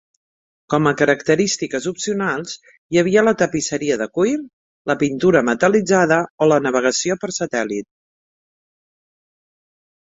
Com a característiques opcionals hi havia la tapisseria de cuir, la pintura metal·litzada o la navegació per satèl·lit.